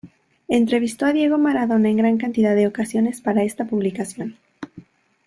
Entrevistó a Diego Maradona en gran cantidad de ocasiones para esta publicación.